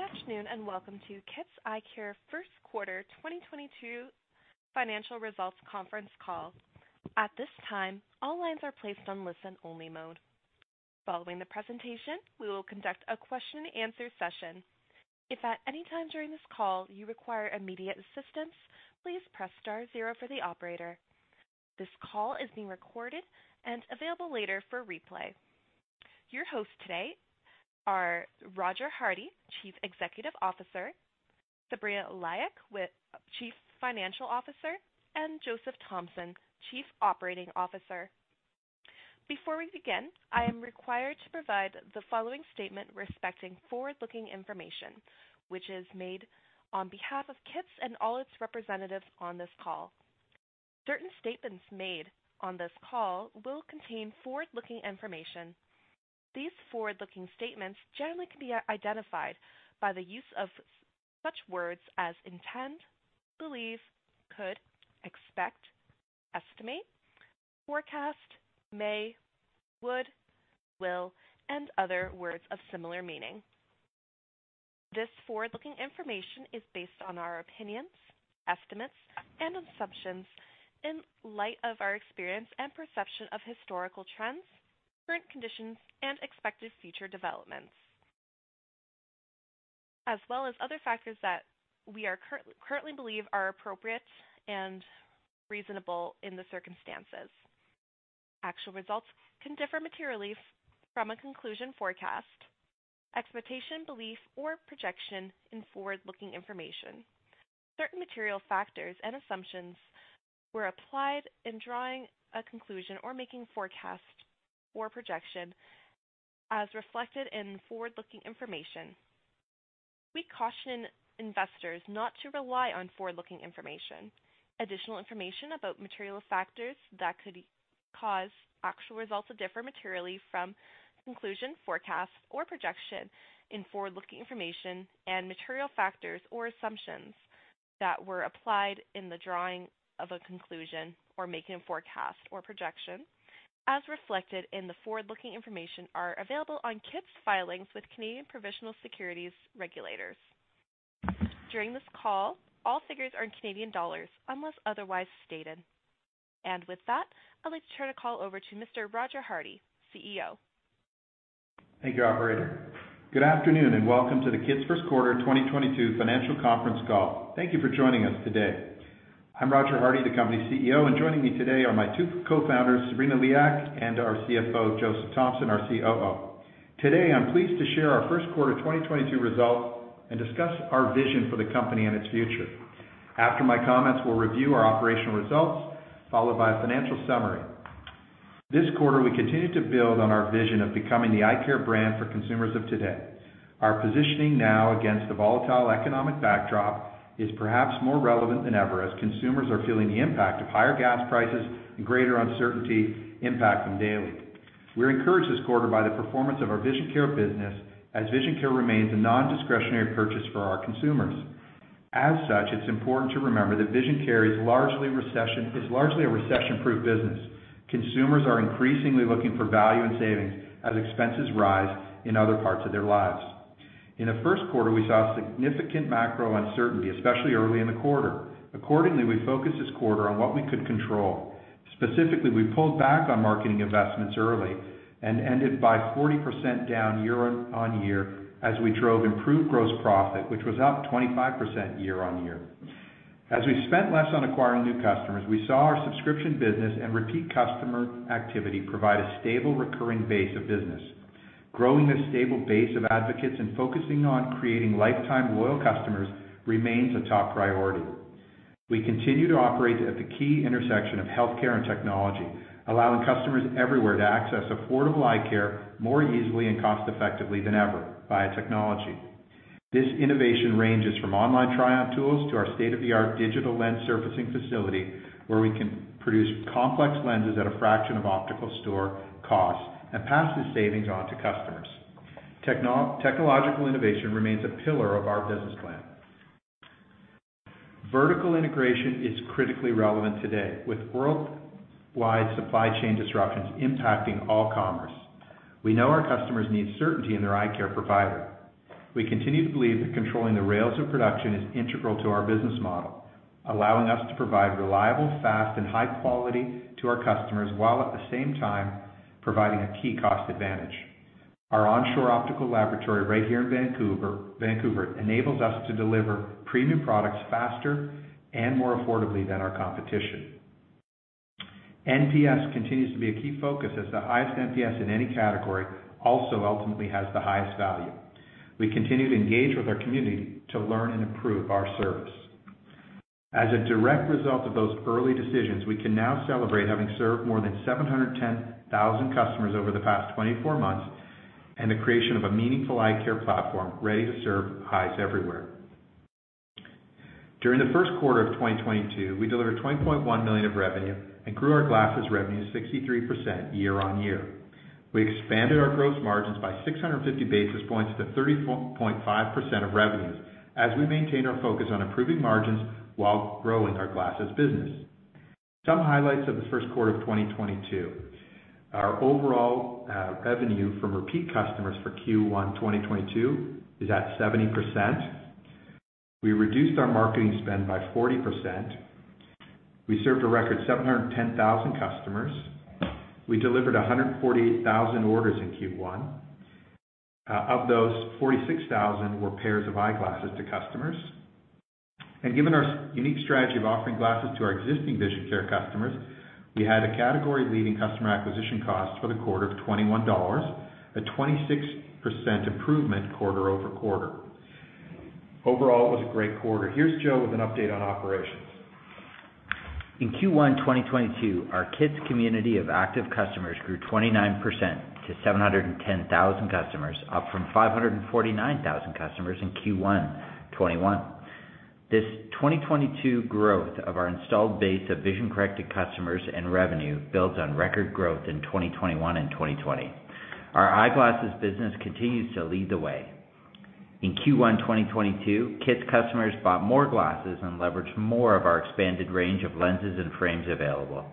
Good afternoon, welcome to KITS Eyecare first quarter 2022 financial results conference call. At this time, all lines are placed on listen-only mode. Following the presentation, we will conduct a question-and-answer session. If at any time during this call you require immediate assistance, please press star zero for the operator. This call is being recorded and available later for replay. Your hosts today are Roger Hardy, Chief Executive Officer, Sabrina Liak, Chief Financial Officer, and Joseph Thompson, Chief Operating Officer. Before we begin, I am required to provide the following statement respecting forward-looking information, which is made on behalf of KITS and all its representatives on this call. Certain statements made on this call will contain forward-looking information. These forward-looking statements generally can be identified by the use of such words as intend, believe, could, expect, estimate, forecast, may, would, will, and other words of similar meaning. This forward-looking information is based on our opinions, estimates and assumptions in light of our experience and perception of historical trends, current conditions, and expected future developments, as well as other factors that we currently believe are appropriate and reasonable in the circumstances. Actual results can differ materially from a conclusion forecast, expectation, belief, or projection in forward-looking information. Certain material factors and assumptions were applied in drawing a conclusion or making forecast or projection as reflected in forward-looking information. We caution investors not to rely on forward-looking information. Additional information about material factors that could cause actual results to differ materially from conclusion, forecast, or projection in forward-looking information and material factors or assumptions that were applied in the drawing of a conclusion or making a forecast or projection as reflected in the forward-looking information are available on KITS' filings with Canadian provincial securities regulators. During this call, all figures are in Canadian dollars unless otherwise stated. With that, I'd like to turn the call over to Mr. Roger Hardy, CEO. Thank you, operator. Good afternoon, welcome to the KITS first quarter 2022 financial conference call. Thank you for joining us today. I'm Roger Hardy, the company CEO, and joining me today are my two co-founders, Sabrina Liak, and our CFO, Joseph Thompson, our COO. Today, I'm pleased to share our first quarter 2022 results and discuss our vision for the company and its future. After my comments, we'll review our operational results, followed by a financial summary. This quarter, we continued to build on our vision of becoming the eyecare brand for consumers of today. Our positioning now against a volatile economic backdrop is perhaps more relevant than ever, as consumers are feeling the impact of higher gas prices and greater uncertainty impacting daily. We're encouraged this quarter by the performance of our Vision Care business, as Vision Care remains a non-discretionary purchase for our consumers. As such, it's important to remember that Vision Care is largely a recession-proof business. Consumers are increasingly looking for value and savings as expenses rise in other parts of their lives. In the first quarter, we saw significant macro uncertainty, especially early in the quarter. Accordingly, we focused this quarter on what we could control. Specifically, we pulled back on marketing investments early and ended by 40% down year-on-year as we drove improved gross profit, which was up 25% year-on-year. As we spent less on acquiring new customers, we saw our subscription business and repeat customer activity provide a stable recurring base of business. Growing a stable base of advocates and focusing on creating lifetime loyal customers remains a top priority. We continue to operate at the key intersection of healthcare and technology, allowing customers everywhere to access affordable eye care more easily and cost-effectively than ever by technology. This innovation ranges from online try-on tools to our state-of-the-art digital lens surfacing facility, where we can produce complex lenses at a fraction of optical store cost and pass the savings on to customers. Technological innovation remains a pillar of our business plan. Vertical integration is critically relevant today, with worldwide supply chain disruptions impacting all commerce. We know our customers need certainty in their eyecare provider. We continue to believe that controlling the rails of production is integral to our business model, allowing us to provide reliable, fast, and high quality to our customers while at the same time providing a key cost advantage. Our onshore optical laboratory right here in Vancouver enables us to deliver premium products faster and more affordably than our competition. NPS continues to be a key focus as the highest NPS in any category also ultimately has the highest value. We continue to engage with our community to learn and improve our service. As a direct result of those early decisions, we can now celebrate having served more than 710,000 customers over the past 24 months and the creation of a meaningful eyecare platform ready to serve eyes everywhere. During the first quarter of 2022, we delivered 20.1 million of revenue and grew our glasses revenue 63% year-on-year. We expanded our gross margins by 650 basis points to 30.5% of revenues as we maintain our focus on improving margins while growing our glasses business. Some highlights of the first quarter of 2022. Our overall revenue from repeat customers for Q1 2022 is at 70%. We reduced our marketing spend by 40%. We served a record 710,000 customers. We delivered 148,000 orders in Q1. Of those, 46,000 were pairs of eyeglasses to customers. Given our unique strategy of offering glasses to our existing vision care customers, we had a category-leading customer acquisition cost for the quarter of 21 dollars, a 26% improvement quarter-over-quarter. Overall, it was a great quarter. Here's Joe with an update on operations. In Q1 2022, our KITS community of active customers grew 29% to 710,000 customers, up from 549,000 customers in Q1 2021. This 2022 growth of our installed base of vision-corrected customers and revenue built on record growth in 2021 and 2020. Our eyeglasses business continues to lead the way. In Q1 2022, KITS customers bought more glasses and leveraged more of our expanded range of lenses and frames available.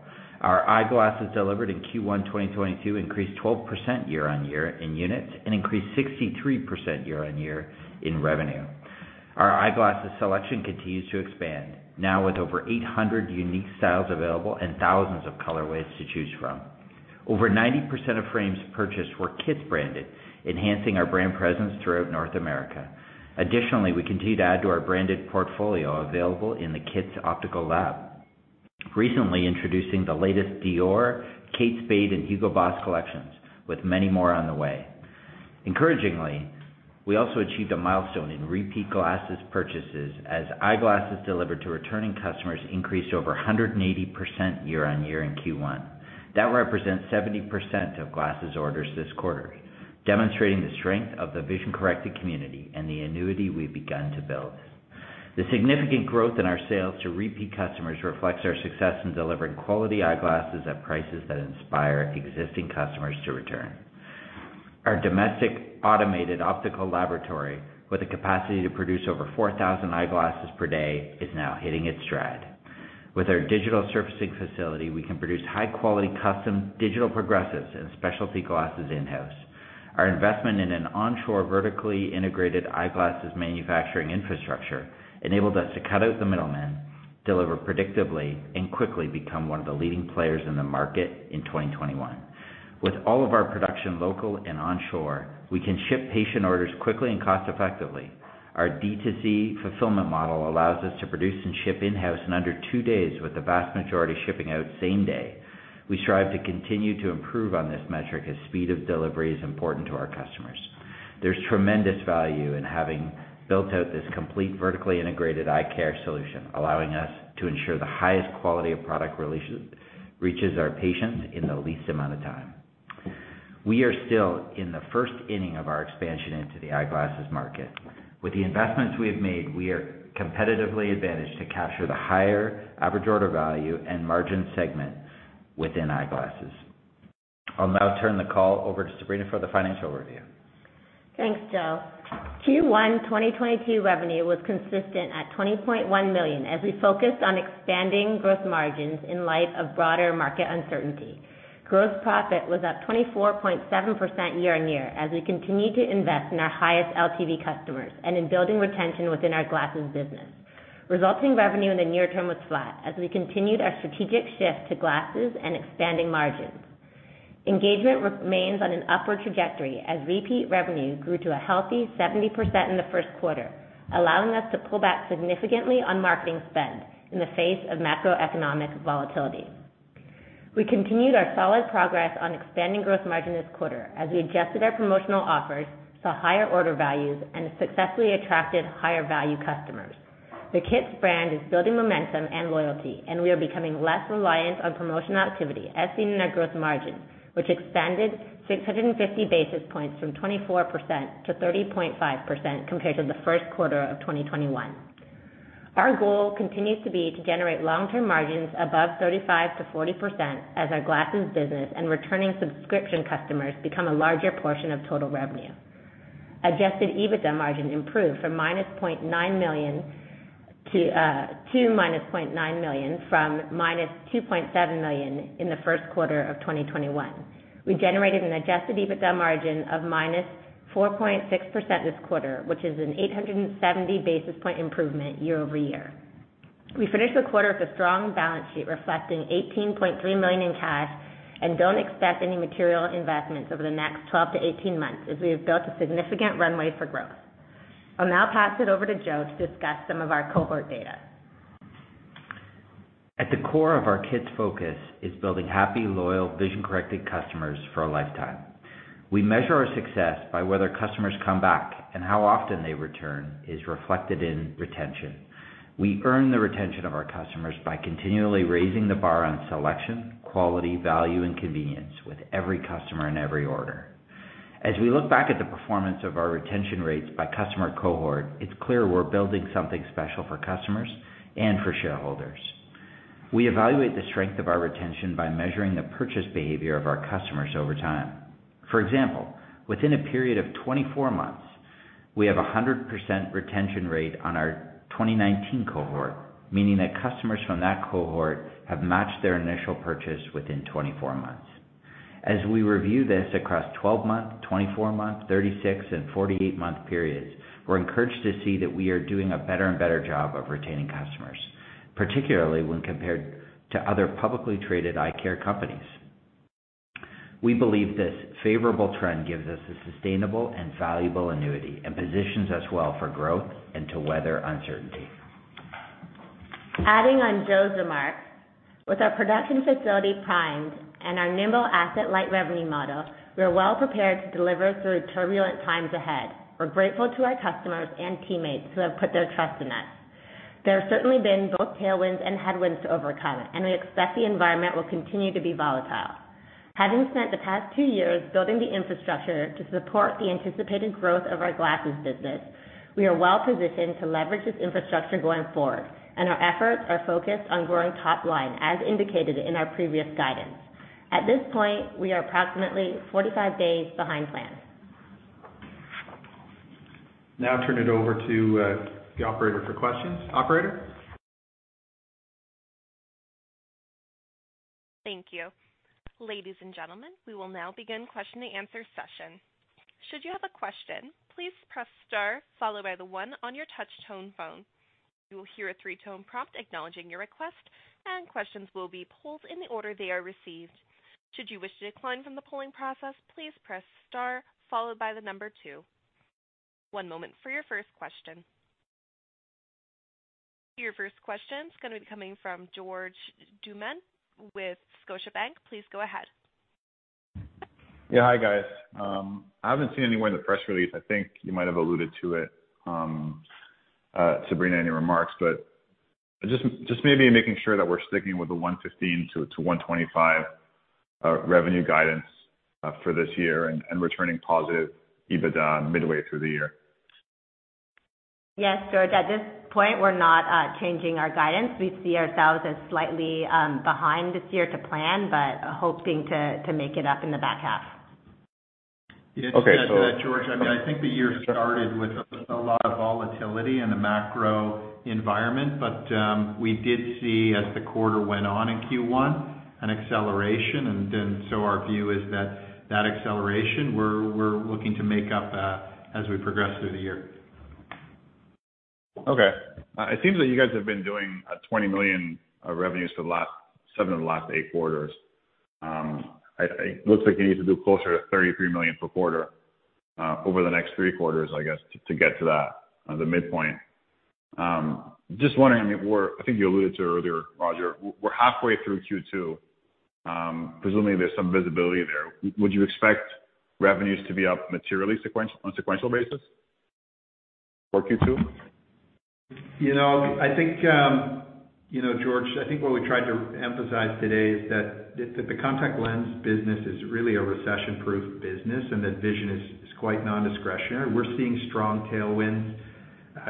Our eyeglasses delivered in Q1 2022 increased 12% year-on-year in units and increased 63% year-on-year in revenue. Our eyeglasses selection continues to expand, now with over 800 unique styles available and thousands of colorways to choose from. Over 90% of frames purchased were KITS branded, enhancing our brand presence throughout North America. Additionally, we continue to add to our branded portfolio available in the KITS optical lab, recently introducing the latest Dior, Kate Spade, and Hugo Boss collections, with many more on the way. Encouragingly, we also achieved a milestone in repeat glasses purchases as eyeglasses delivered to returning customers increased over 180% year-on-year in Q1. That represents 70% of glasses orders this quarter, demonstrating the strength of the vision corrected community and the annuity we've begun to build. The significant growth in our sales to repeat customers reflects our success in delivering quality eyeglasses at prices that inspire existing customers to return. Our domestic automated optical laboratory, with a capacity to produce over 4,000 eyeglasses per day, is now hitting its stride. With our digital surfacing facility, we can produce high-quality custom digital progressives and specialty glasses in-house. Our investment in an onshore vertically integrated eyeglasses manufacturing infrastructure enabled us to cut out the middleman, deliver predictably, and quickly become one of the leading players in the market in 2021. With all of our production local and onshore, we can ship patient orders quickly and cost effectively. Our D2C fulfillment model allows us to produce and ship in-house in under two days, with the vast majority shipping out same day. We strive to continue to improve on this metric, as speed of delivery is important to our customers. There's tremendous value in having built out this complete vertically integrated eye care solution, allowing us to ensure the highest quality of product reaches our patients in the least amount of time. We are still in the first inning of our expansion into the eyeglasses market. With the investments we have made, we are competitively advantaged to capture the higher average order value and margin segments within eyeglasses. I'll now turn the call over to Sabrina for the financial review. Thanks, Joe. Q1 2022 revenue was consistent at 20.1 million as we focused on expanding gross margins in light of broader market uncertainty. Gross profit was up 24.7% year-on-year as we continued to invest in our highest LTV customers and in building retention within our glasses business. Resulting revenue in the near term was flat as we continued our strategic shift to glasses and expanding margins. Engagement remains on an upward trajectory as repeat revenue grew to a healthy 70% in the first quarter, allowing us to pull back significantly on marketing spend in the face of macroeconomic volatility. We continued our solid progress on expanding gross margin this quarter as we adjusted our promotional offers to higher order values and successfully attracted higher value customers. The KITS brand is building momentum and loyalty. We are becoming less reliant on promotional activity as seen in our gross margin, which expanded 650 basis points from 24% to 30.5% compared to the first quarter of 2021. Our goal continues to be to generate long-term margins above 35%-40% as our glasses business and returning subscription customers become a larger portion of total revenue. Adjusted EBITDA margin improved to -0.9 million from -2.7 million in the first quarter of 2021. We generated an adjusted EBITDA margin of -4.6% this quarter, which is an 870 basis point improvement year-over-year. We finished the quarter with a strong balance sheet reflecting 18.3 million in cash and don't expect any material investments over the next 12-18 months as we have built a significant runway for growth. I'll now pass it over to Joe to discuss some of our cohort data. At the core of our KITS focus is building happy, loyal, vision-corrected customers for a lifetime. We measure our success by whether customers come back, and how often they return is reflected in retention. We earn the retention of our customers by continually raising the bar on selection, quality, value, and convenience with every customer and every order. As we look back at the performance of our retention rates by customer cohort, it's clear we're building something special for customers and for shareholders. We evaluate the strength of our retention by measuring the purchase behavior of our customers over time. For example, within a period of 24 months, we have 100% retention rate on our 2019 cohort, meaning that customers from that cohort have matched their initial purchase within 24 months. As we review this across 12-month, 24-month, 36- and 48-month periods, we're encouraged to see that we are doing a better and better job of retaining customers, particularly when compared to other publicly traded eye care companies. We believe this favorable trend gives us a sustainable and valuable annuity and positions us well for growth and to weather uncertainty. Adding on Joe's remarks, with our production facility primed and our nimble asset light revenue model, we are well prepared to deliver through the turbulent times ahead. We're grateful to our customers and teammates who have put their trust in us. There have certainly been both tailwinds and headwinds to overcome, and an expensive environment will continue to be volatile. Having spent the past two years building the infrastructure to support the anticipated growth of our glasses business, we are well-positioned to leverage this infrastructure going forward, and our efforts are focused on growing top line as indicated in our previous guidance. At this point, we are approximately 45 days behind plan. Now turn it over to the operator for questions. Operator? Thank you. Ladies and gentlemen, we will now begin question-and-answer session. Should you have a question, please press star followed by one on your touchtone phone. You will hear a three-tone prompt acknowledging your request, and questions will be pulled in the order they are received. Should you wish to decline from the polling process, please press star, followed by the number two. One moment for your first question. Your first question is going to be coming from George Duman with Scotiabank. Please go ahead. Yeah. Hi, guys. I haven't seen anywhere in the press release, I think you might have alluded to it, Sabrina, in your remarks, but just maybe making sure that we're sticking with the 115-125 revenue guidance for this year and returning positive EBITDA midway through the year. Yes, George, at this point, we're not changing our guidance. We see ourselves as slightly behind this year to plan, but hoping to make it up in the back half. Okay. Just to add to that, George, I mean, I think the year started with a lot of volatility in the macro environment, but we did see as the quarter went on in Q1, an acceleration, and so our view is that acceleration, we're looking to make up as we progress through the year. Okay. It seems like you guys have been doing 20 million revenues for seven of the last eight quarters. It looks like you need to do closer to 33 million per quarter, over the next three quarters, I guess, to get to the midpoint. Just wondering if we're, I think you alluded to it earlier, Roger, we're halfway through Q2, presumably there's some visibility there. Would you expect revenues to be up materially on sequential basis for Q2? You know, George, I think what we tried to emphasize today is that the contact lens business is really a recession-proof business, and that vision is quite non-discretionary. We're seeing strong tailwinds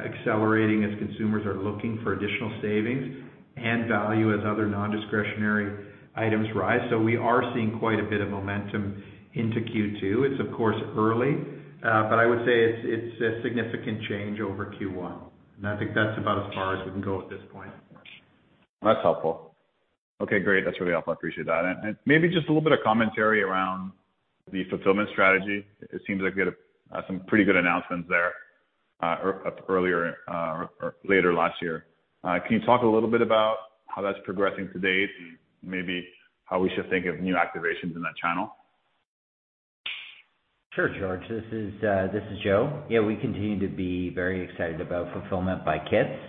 accelerating as consumers are looking for additional savings and value as other non-discretionary items rise. We are seeing quite a bit of momentum into Q2. It's of course early, but I would say it's a significant change over Q1, and I think that's about as far as we can go at this point. That's helpful. Okay, great. That's really helpful, appreciate that. Maybe just a little bit of commentary around the fulfillment strategy. It seems like you had some pretty good announcements there later last year. Can you talk a little bit about how that's progressing to date and maybe how we should think of new activations in that channel? Sure, George. This is Joe. Yeah, we continue to be very excited about fulfillment by KITS.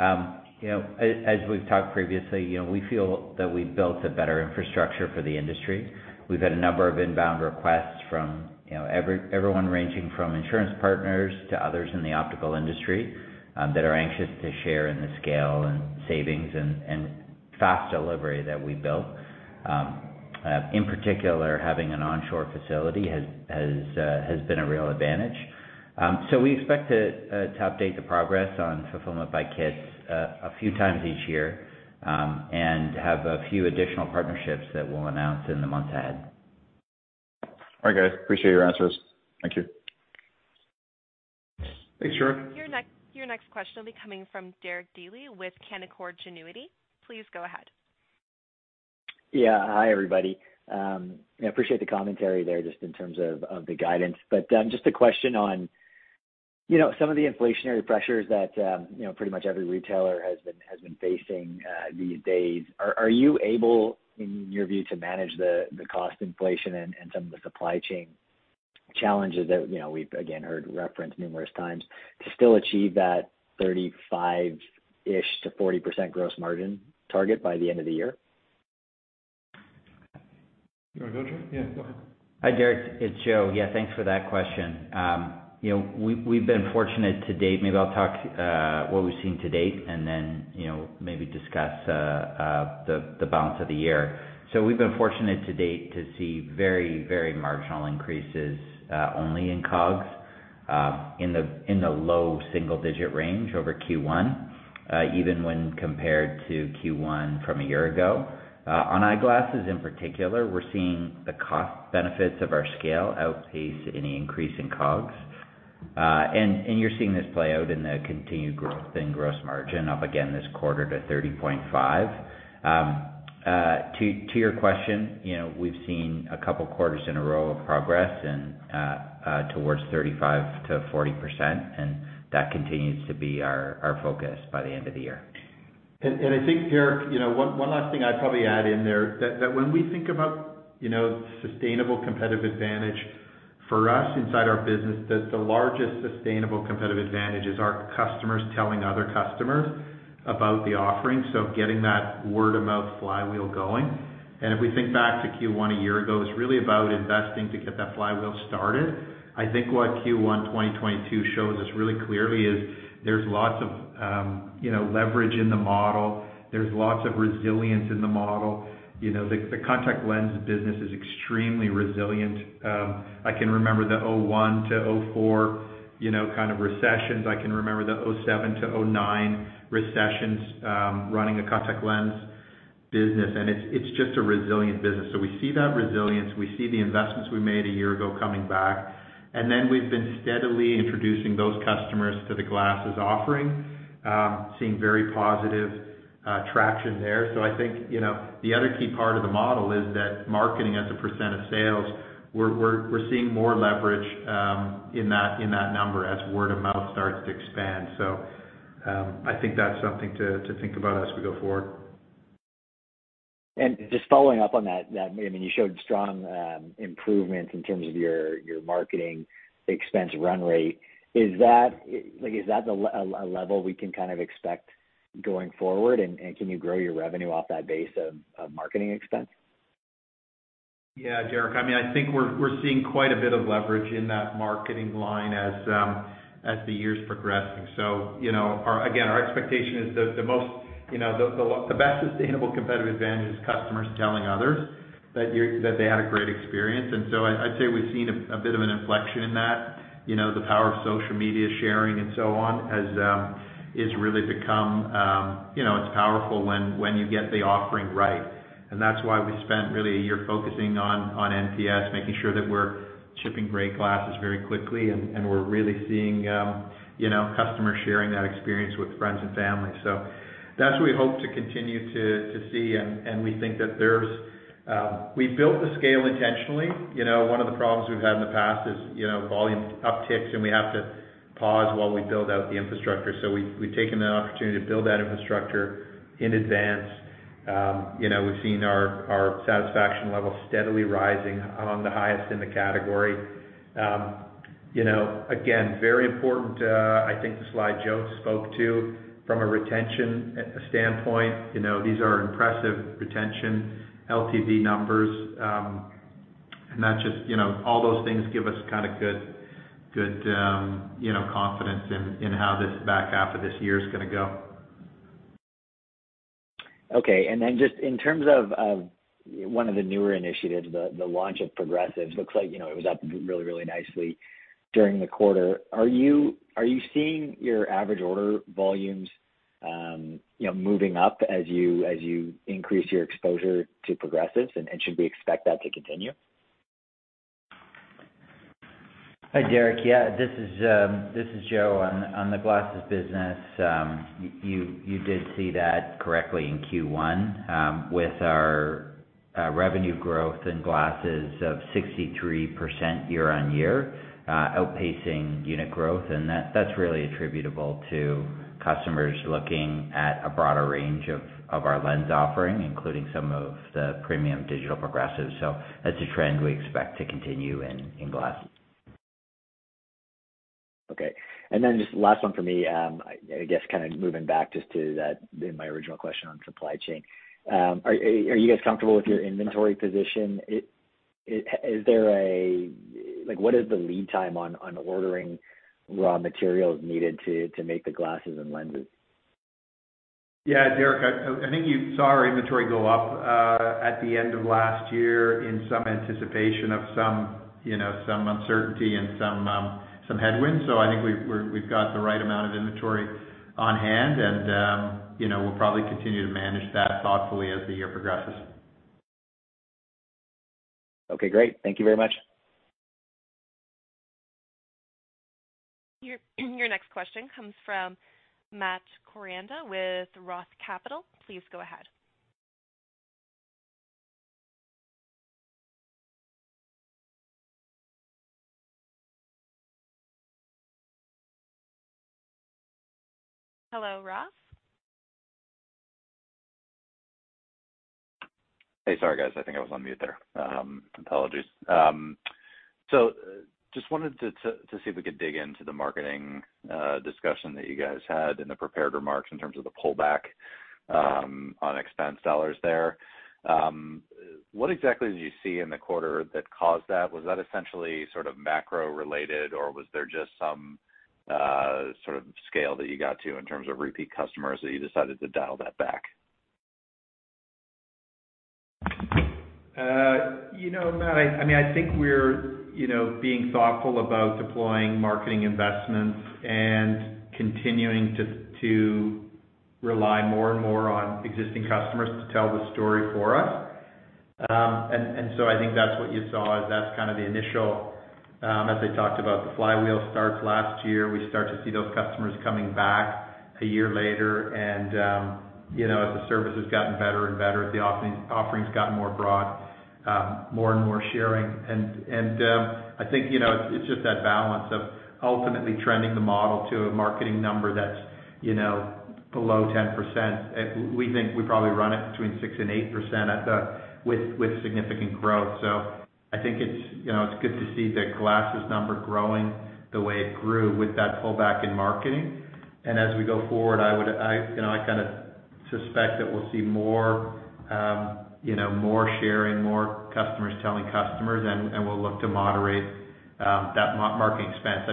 As we've talked previously, we feel that we've built a better infrastructure for the industry. We've had a number of inbound requests from everyone ranging from insurance partners to others in the optical industry that are anxious to share in the scale and savings and fast delivery that we built. In particular, having an onshore facility has been a real advantage. We expect to update the progress on fulfillment by KITS a few times each year and have a few additional partnerships that we'll announce in the months ahead. All right, guys, appreciate your answers. Thank you. Thanks, George. Your next question will be coming from Diane Daly with Canaccord Genuity. Please go ahead. Yeah. Hi, everybody. I appreciate the commentary there just in terms of the guidance. Just a question on some of the inflationary pressures that pretty much every retailer has been facing these days. Are you able, in your view, to manage the cost inflation and some of the supply chain challenges that we've again heard referenced numerous times to still achieve that 35-ish% to 40% gross margin target by the end of the year? Joseph? Yeah, go ahead. Hi, Diane, it's Joseph. Yeah, thanks for that question. We've been fortunate to date. I'll talk what we've seen to date and then maybe discuss the balance of the year. We've been fortunate to date to see very marginal increases, only in COGS, in the low single digit range over Q1, even when compared to Q1 from a year ago. On eyeglasses in particular, we're seeing the cost benefits of our scale outpace any increase in COGS. You're seeing this play out in the continued growth in gross margin up again this quarter to 30.5%. To your question, we've seen two quarters in a row of progress towards 35%-40%, and that continues to be our focus by the end of the year. I think, Diane, one last thing I'd probably add in there that when we think about sustainable competitive advantage for us inside our business, that the largest sustainable competitive advantage is our customers telling other customers about the offering. Getting that word-of-mouth flywheel going. If we think back to Q1 a year ago, it's really about investing to get that flywheel started. I think what Q1 2022 shows us really clearly is there's lots of leverage in the model. There's lots of resilience in the model. The contact lenses business is extremely resilient. I can remember the 2001-2004 recessions. I can remember the 2007-2009 recessions, running a contact lens business, and it's just a resilient business. We see that resilience. We see the investments we made a year ago coming back, and then we've been steadily introducing those customers to the glasses offering, seeing very positive traction there. I think, the other key part of the model is that marketing as a percent of sales, we're seeing more leverage in that number as word of mouth starts to expand. I think that's something to think about as we go forward. Just following up on that, I mean, you showed strong improvements in terms of your marketing expense runway. Is that a level we can kind of expect going forward, and can you grow your revenue off that base of marketing expense? Yeah, Diane, I think we're seeing quite a bit of leverage in that marketing line as the years progress. Again, our expectation is that the best sustainable competitive advantage is customers telling others that they had a great experience. I'd say we've seen a bit of an inflection in that. The power of social media sharing and so on has really become powerful when you get the offering right. That's why we spent really a year focusing on NPS, making sure that we're shipping great glasses very quickly, and we're really seeing customers sharing that experience with friends and family. That's what we hope to continue to see, and we think that we've built the scale intentionally. One of the problems we've had in the past is volume upticks, and we have to pause while we build out the infrastructure. We've taken the opportunity to build that infrastructure in advance. We've seen our satisfaction levels steadily rising on the highest in the category. You know, again, very important, I think the slide Joe spoke to from a retention standpoint. These are impressive retention LTV numbers. All those things give us kind of good confidence in how the back half of this year is going to go. Okay, just in terms of one of the newer initiatives, the launch of progressives, looks like it was up really nicely during the quarter. Are you seeing your average order volumes moving up as you increase your exposure to progressives, and should we expect that to continue? Hi, Diane. Yeah, this is Joe. On the glasses business, you did see that correctly in Q1 with our revenue growth in glasses of 63% year-on-year, outpacing unit growth. That's really attributable to customers looking at a broader range of our lens offering, including some of the premium digital progressives. That's a trend we expect to continue in glasses. Okay. Just last one for me, I guess kind of moving back just to that in my original question on supply chain. Are you guys comfortable with your inventory position? What is the lead time on ordering raw materials needed to make the glasses and lenses? Yeah, Diane, I think you saw our inventory go up at the end of last year in some anticipation of some uncertainty and some headwinds. I think we've got the right amount of inventory on hand, and we'll probably continue to manage that thoughtfully as the year progresses. Okay, great. Thank you very much. Your next question comes from Matt Koranda with ROTH Capital. Please go ahead. Hello, [ROTH]? Hey, sorry guys, I think I was on mute there. Apologies. Just wanted to see if we could dig into the marketing discussion that you guys had in the prepared remarks in terms of the pullback on expense dollars there. What exactly did you see in the quarter that caused that? Was that essentially sort of macro-related, or was there just some sort of scale that you got to in terms of repeat customers that you decided to dial that back? You know Matt, I think we're being thoughtful about deploying marketing investments and continuing to rely more and more on existing customers to tell the story for us. So I think that's what you saw is that's kind of the initial, as I talked about, the flywheel starts last year. We start to see those customers coming back a year later. As the service has gotten better and better, the offering's got more broad, more and more sharing. I think, it's just that balance of ultimately trending the model to a marketing number that's below 10%. We think we probably run it between 6% and 8% with significant growth. I think it's good to see the glasses number growing the way it grew with that pullback in marketing. As we go forward, I suspect that we'll see more sharing, more customers telling customers, and we'll look to moderate that marketing expense.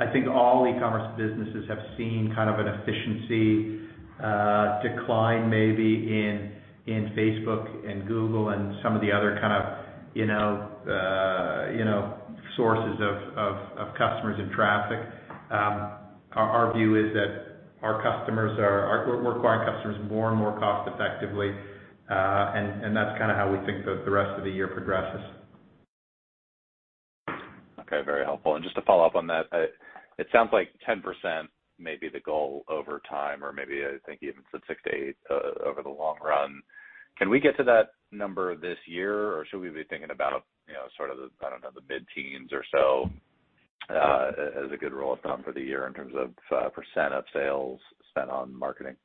I think all e-commerce businesses have seen kind of an efficiency decline maybe in Facebook and Google and some of the other sources of customers and traffic. Our view is that we're acquiring customers more and more cost-effectively, and that's kind of how we think that the rest of the year progresses. Okay. Very helpful. Just to follow up on that, it sounds like 10% may be the goal over time, or maybe I think even to six to eight over the long run. Can we get to that number this year? Should we be thinking about, sort of, I don't know, the mid-teens or so, as a good rule of thumb for the year in terms of % of sales spent on marketing?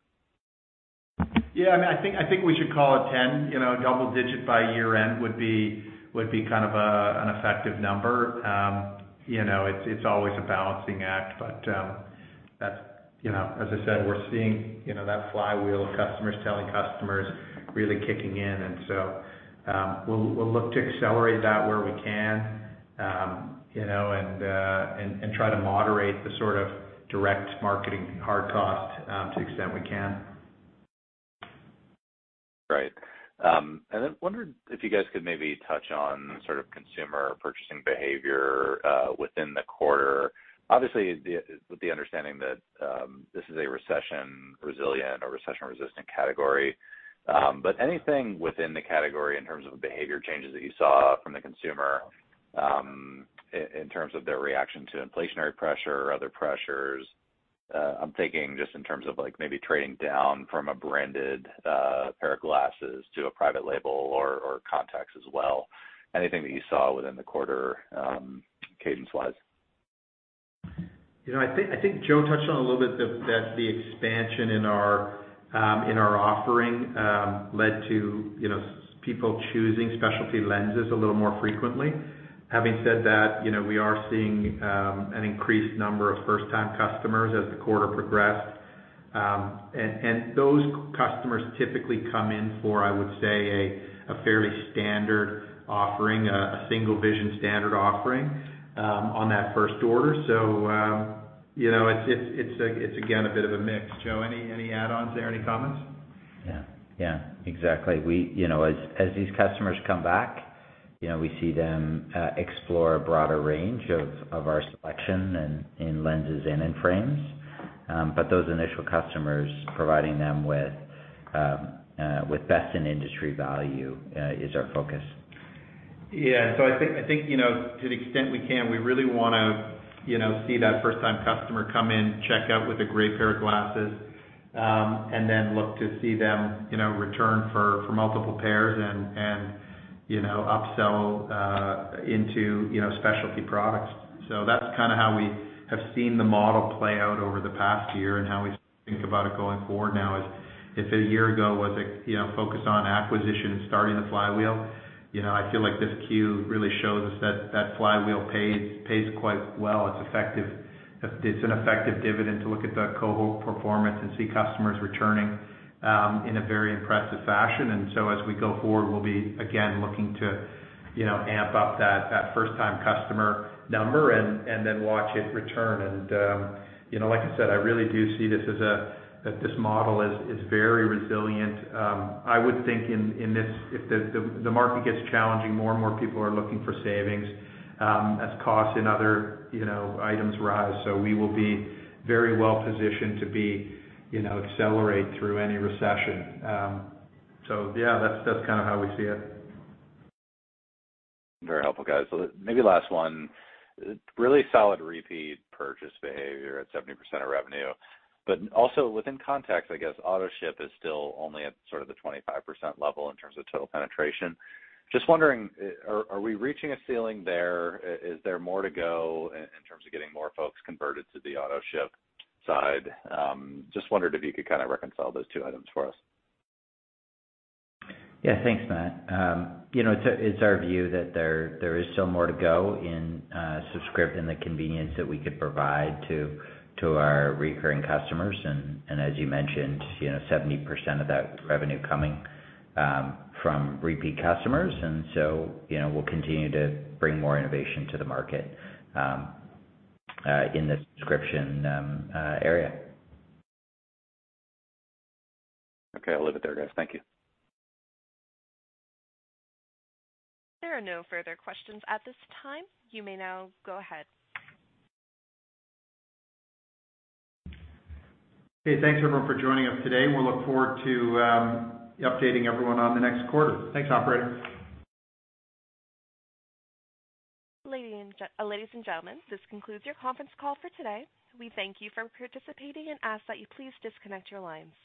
Yeah, I think we should call it 10. Double digit by year-end would be kind of an effective number. It's always a balancing act, but as I said, we're seeing that flywheel of customers telling customers really kicking in. We'll look to accelerate that where we can and try to moderate the sort of direct marketing hard costs to the extent we can. Right. Wondered if you guys could maybe touch on consumer purchasing behavior within the quarter, obviously with the understanding that this is a recession-resilient or recession-resistant category. Anything within the category in terms of behavior changes that you saw from the consumer, in terms of their reaction to inflationary pressure or other pressures. I'm thinking just in terms of maybe trading down from a branded pair of glasses to a private label or contacts as well. Anything that you saw within the quarter cadence-wise? I think Joe touched on a little bit that the expansion in our offering led to people choosing specialty lenses a little more frequently. We are seeing an increased number of first-time customers as the quarter progressed. Those customers typically come in for, I would say, a fairly standard offering, a single vision standard offering on that first order. It's again, a bit of a mix. Joe, any add-ons there? Any comments? Yeah. Exactly. As these customers come back, we see them explore a broader range of our selection in lenses and in frames. Those initial customers, providing them with best-in-industry value is our focus. Yeah, I think, to the extent we can, we really want to see that first-time customer come in, check out with a great pair of glasses, and then look to see them return for multiple pairs and upsell into specialty products. That's kind of how we have seen the model play out over the past year and how we think about it going forward now. If a year ago was a focus on acquisition and starting the flywheel, I feel like this Q really shows us that that flywheel pays quite well. It's an effective dividend to look at that cohort performance and see customers returning in a very impressive fashion. As we go forward, we'll be, again, looking to amp up that first-time customer number and then watch it return. Like I said, I really do see that this model is very resilient. I would think in this, if the market gets challenging, more and more people are looking for savings as costs in other items rise. We will be very well positioned to accelerate through any recession. Yeah, that's kind of how we see it. Very helpful, guys. Maybe last one. Really solid repeat purchase behavior at 70% of revenue. Also within context, I guess, Autoship is still only at sort of the 25% level in terms of total penetration. Just wondering, are we reaching a ceiling there? Is there more to go in terms of getting more folks converted to the Autoship side? Just wondered if you could kind of reconcile those two items for us. Yeah. Thanks, Matt. It's our view that there is still more to go in subscription and the convenience that we can provide to our recurring customers, and as you mentioned, 70% of that revenue coming from repeat customers. We'll continue to bring more innovation to the market in the subscription area. Okay. I'll leave it there, guys. Thank you. There are no further questions at this time. You may now go ahead. Hey, thanks everyone for joining us today. We'll look forward to updating everyone on the next quarter. Thanks, operator. Ladies and gentlemen, this concludes your conference call for today. We thank you for participating and ask that you please disconnect your line.